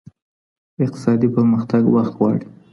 اقتصادي پرمختګ وخت غواړي.